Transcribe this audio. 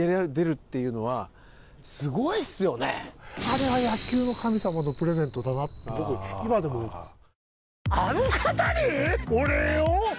だってあれは野球の神様のプレゼントだなと僕今でも思ってます。